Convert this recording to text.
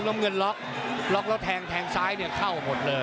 น้ำเงินล็อกล็อกแล้วแทงแทงซ้ายเนี่ยเข้าหมดเลย